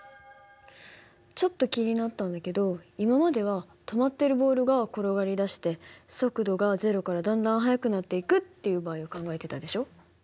ちょっと気になったんだけど今までは止まっているボールが転がりだして速度が０からだんだん速くなっていくっていう場合を考えてたでしょ。